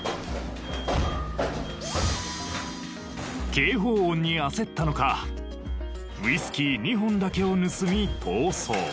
警報音に焦ったのかウイスキー２本だけを盗み逃走。